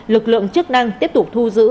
lực lượng chức năng tiếp tục thu giữ